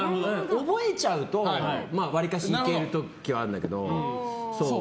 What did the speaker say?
覚えちゃうと、わりかしいける時はあるんだけど。